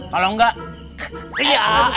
kalau nggak kakak kriak